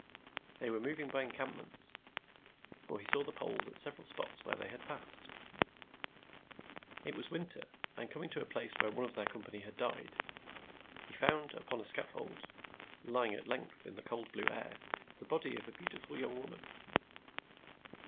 They were moving by encampments, for he saw the poles at several spots where they had passed. It was winter; and coming to a place where one of their company had died, he found upon a scatfold, lying at length in the cold blue air, the body of a beautiful young woman.